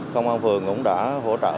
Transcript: công an phường cũng đã hỗ trợ